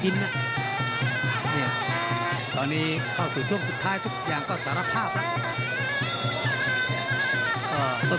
ตอนนี้เข้าสู่ช่วงสุดท้ายทุกอย่างต้องจะรับภาพนะ